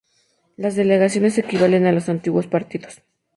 Las delegaciones equivalen a los antiguos Partidos.